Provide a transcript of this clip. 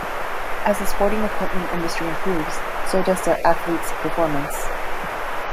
As the sporting equipment industry improves, so does the athletes performance.